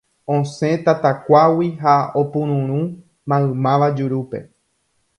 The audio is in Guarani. Osẽ tatakuágui ha opururũ maymáva jurúpe.